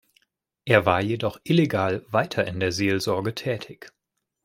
Er war jedoch illegal weiter in der Seelsorge tätig.